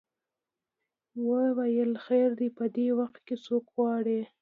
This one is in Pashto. وویل خیر دی په دې وخت کې څوک غواړې.